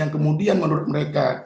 yang kemudian menurut mereka